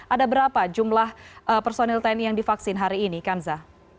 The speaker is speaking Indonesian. ada berapa jumlah personil tni yang divaksin hari ini kanza